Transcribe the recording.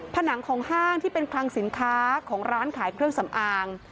ผนังของห้างที่เป็นคลังสินค้าของร้านขายเครื่องสำอาง